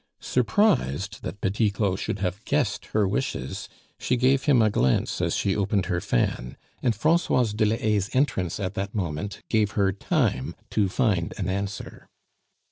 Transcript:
Surprised that Petit Claud should have guessed her wishes, she gave him a glance as she opened her fan, and Francoise de la Haye's entrance at that moment gave her time to find an answer.